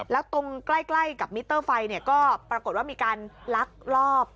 แล้วตรงใกล้กับมิเตอร์ไฟก็ปรากฏว่ามีการลักลอบ